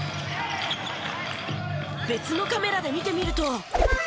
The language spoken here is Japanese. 別のカメラで見てみると。